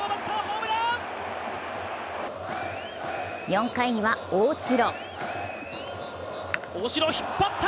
４回には大城。